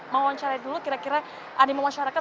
mewawancarai dulu kira kira animo masyarakat